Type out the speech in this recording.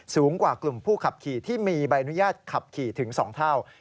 สูงกว่ากลุ่มผู้ขับขี่ที่มีใบอนุญาตขับขี่ถึง๒เท่า